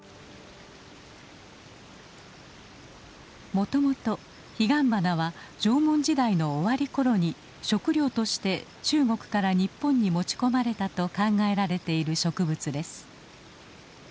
もともとヒガンバナは縄文時代の終わりころに食料として中国から日本に持ち込まれたと考えられている植物です。